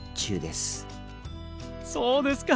そうですか！